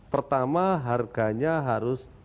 pertama harganya harus